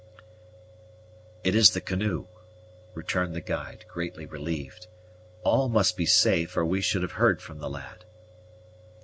"It is the canoe," returned the guide, greatly relieved. "All must be safe, or we should have heard from the lad."